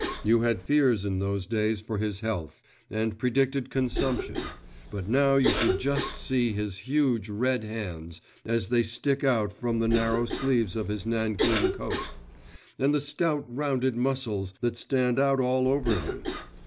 You had fears in those days for his health, and predicted consumption; but now you should just see his huge, red hands, as they stick out from the narrow sleeves of his nankeen coat, and the stout rounded muscles that stand out all over him!